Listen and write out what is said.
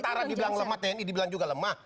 tentara dibilang lemah tni dibilang juga lemah